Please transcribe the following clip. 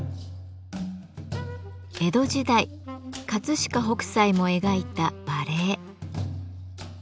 江戸時代飾北斎も描いた馬鈴。